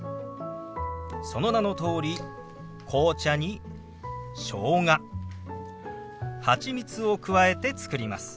その名のとおり紅茶にしょうがハチミツを加えて作ります。